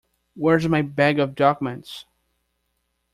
Where's my bag of documents?